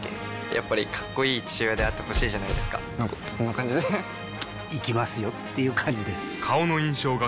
やっぱりかっこいい父親であってほしいじゃないですかなんかこんな感じで行きますよっていう感じです